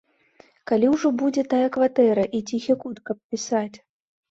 Калі ўжо будзе тая кватэра і ціхі кут, каб пісаць!